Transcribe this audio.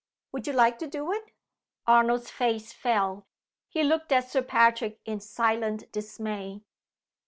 Would you like to do it?" Arnold's face fell. He looked at Sir Patrick in silent dismay.